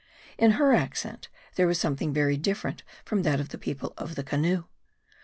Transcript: In her accent, there was something very different from that of the people of the canoe.